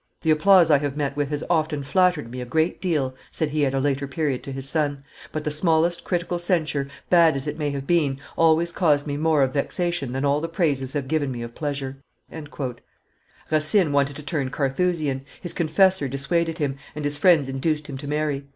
"The applause I have met with has often flattered me a great deal," said he at a later period to his son, "but the smallest critical censure, bad as it may have been, always caused me more of vexation than all the praises had given me of pleasure." Racine wanted to turn Carthusian; his confessor dissuaded him, and his friends induced him to marry.